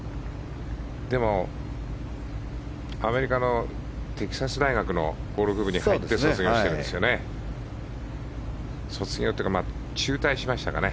でも、アメリカのテキサス大学のゴルフ部に入って卒業してるんですよね。